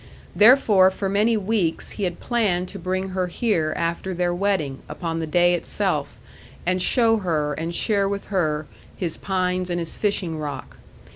Therefore for many weeks he had planned to bring her here after their wedding, upon the day itself, and show her and share with her his pines and his fishing rock.